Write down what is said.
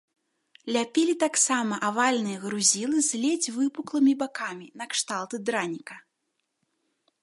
Ляпілі таксама авальныя грузілы з ледзь выпуклымі бакамі накшталт драніка.